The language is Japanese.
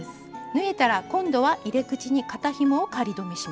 縫えたら今度は入れ口に肩ひもを仮留めします。